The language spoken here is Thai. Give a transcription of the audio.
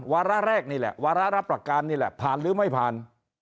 วาระแรกนี่แหละวาระรับประการนี่แหละผ่านหรือไม่ผ่าน